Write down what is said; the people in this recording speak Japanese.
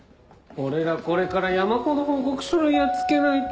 俺らこれから山ほど報告書類やっつけないと。